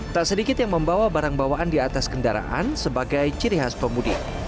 tak sedikit yang membawa barang bawaan di atas kendaraan sebagai ciri khas pemudik